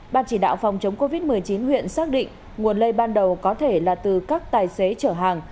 ban chỉ đạo phòng chống covid một mươi chín huyện xác định nguồn lây ban đầu có thể là từ các tài xế chở hàng